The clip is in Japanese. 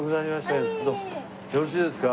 よろしいですか？